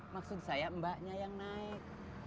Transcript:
maksud saya mbaknya yang naik